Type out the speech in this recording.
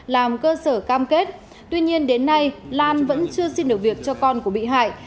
làm cơ sở cam kết tuy nhiên đến nay lan vẫn chưa xin được việc cho con của bị hại